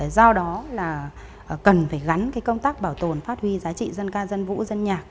do đó là cần phải gắn công tác bảo tồn phát huy giá trị dân ca dân vũ dân nhạc